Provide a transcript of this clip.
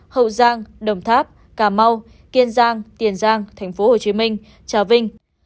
hậu giang đồng tháp cà mau kiên giang tiền giang tp hcm trà vinh